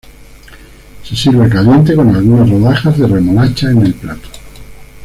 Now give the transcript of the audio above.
Se sirve caliente con algunas rodajas de remolacha en el plato.